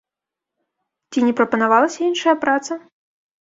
Ці не прапанавалася іншая праца?